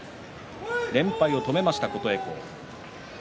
連敗を止めました琴恵光。